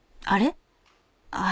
［あれ？